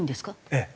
ええ。